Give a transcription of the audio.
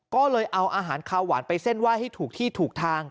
ก็เลยเอาอาหารคาวหวานไปเส้นไหว้ให้ถูกที่ถูกทาง